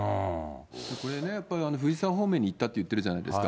これね、やっぱり藤沢方面に行ったって言ってるじゃないですか。